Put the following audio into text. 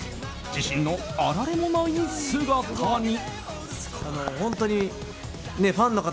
自身のあられもない姿に。